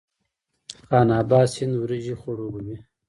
خان اباد سیند وریجې خړوبوي؟